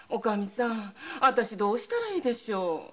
私どうしたらいいでしょう？